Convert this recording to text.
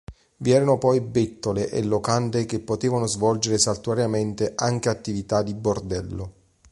Vi erano poi bettole e locande che potevano svolgere saltuariamente anche attività di bordello.